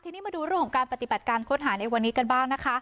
ทีนี้มาดูเรื่องของการปฏิบัติการค้นหาในวันนี้กันบ้างนะคะ